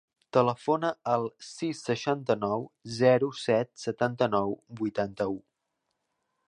Telefona al sis, seixanta-nou, zero, set, setanta-nou, vuitanta-u.